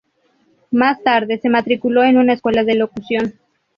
Más tarde se matriculó en una escuela de locución.